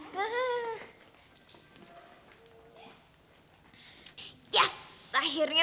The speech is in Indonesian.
dan dia akan menangis